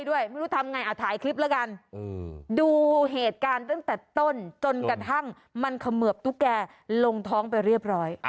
ไม่รู้ทำไงอ่ะถ่ายคลิปแล้วกันดูเหตุการณ์ตั้งแต่ต้นจนกระทั่งมันเขมือบตุ๊กแกลงท้องไปเรียบร้อย